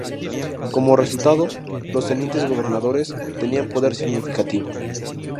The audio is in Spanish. Como resultado, los tenientes gobernadores tenían poder significativo.